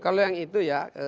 kalau yang itu ya